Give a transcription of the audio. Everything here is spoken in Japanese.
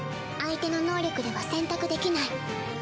相手の能力では選択できない。